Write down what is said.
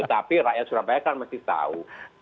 tapi rakyat surabaya kan masih tahu